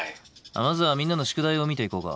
まずはみんなの宿題を見ていこうか。